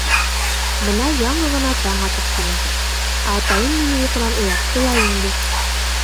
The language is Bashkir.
Бына яңы ғына таң атып килә, ә атайым мине йоҡонан уятты ла инде.